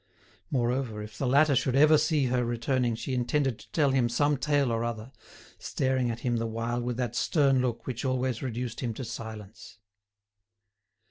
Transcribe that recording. Moreover, if the latter should ever see her returning she intended to tell him some tale or other, staring at him the while with that stern look which always reduced him to silence.